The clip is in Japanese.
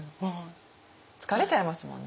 疲れちゃいますもんね。